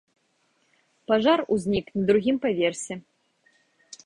Пажар узнік на другім паверсе.